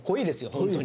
本当に。